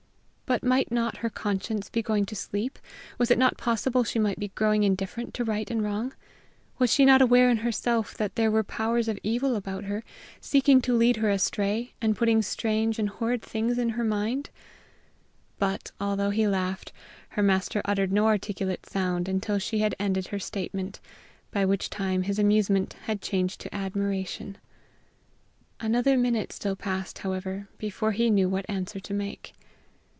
But, might not her conscience be going to sleep? Was it not possible she might be growing indifferent to right and wrong? Was she not aware in herself that there were powers of evil about her, seeking to lead her astray, and putting strange and horrid things in her mind? But, although he laughed, her master uttered no articulate sound until she had ended her statement, by which time his amusement had changed to admiration. Another minute still passed, however, before he knew what answer to make.